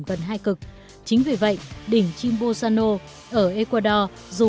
đây là khoảng cách bằng